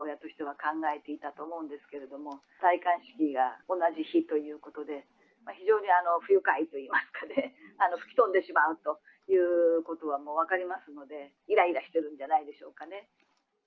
いろいろメーガンさんは母親としては考えていたと思うんですけれども、戴冠式が同じ日ということで、非常に不愉快といいますかね、吹き飛んでしまうということはもう分かりますので、いらいらしてるんじゃないでしょうかね。